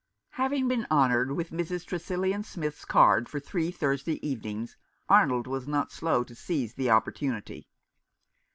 Having been honoured with Mrs. Tresillian Smith's card for three Thursday evenings, Arnold was not slow to seize the opportunity.